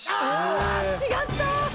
違った！